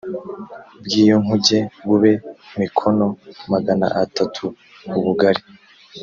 bw iyo nkuge bube mikono magana atatu ubugari